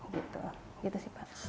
gitu sih pak